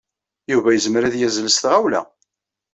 Yuba yezmer ad yazzel s tɣawla.